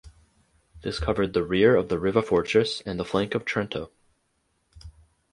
This covered the rear of the Riva fortress and the flank of Trento.